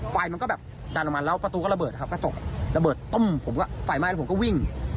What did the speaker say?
ไฟมันก็แบบดันออกมาแล้วประตูก็ระเบิดครับกระจกระเบิดต้มผมก็ไฟไหม้แล้วผมก็วิ่ง